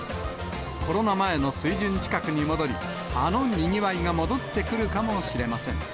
コロナ前の水準近くに戻り、あのにぎわいが戻ってくるかもしれません。